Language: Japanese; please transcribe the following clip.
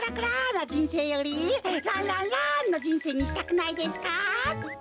なじんせいよりランランランのじんせいにしたくないですか？